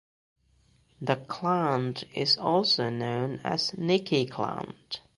The clan is also known as Niki clan.